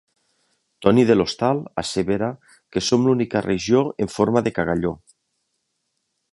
Toni de l'Hostal assevera que "Som l'única regió en forma de cagalló."